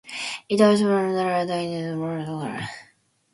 It also overhauled, leased and sold aircraft, engines and aviation equipment.